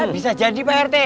bisa jadi pak rt